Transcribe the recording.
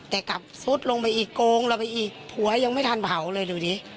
แต่กลับซุดลงไปอีกโกงเราไปอีกผัวยังไม่ทันเผาเลยดูดิ